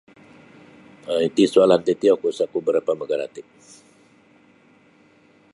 um Iti soalan titi oku isa'ku barapa' magarati'.